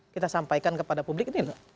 kita sampaikan kepada publik